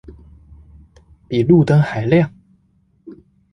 比路燈還亮